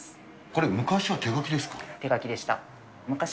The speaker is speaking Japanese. これ昔は手書きですか？